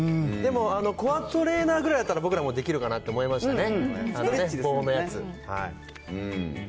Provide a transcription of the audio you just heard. でもコアトレーナーぐらいなら、僕らもできるかなと思いましたね。